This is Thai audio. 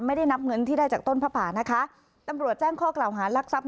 ไม่ได้นับเงินที่ได้จากต้นผ้าป่านะคะตำรวจแจ้งข้อกล่าวหารักทรัพย